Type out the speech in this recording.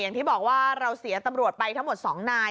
อย่างที่บอกว่าเราเสียตำรวจไปทั้งหมด๒นาย